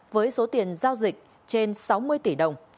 với số tiền giao dịch trên sáu mươi tỷ đồng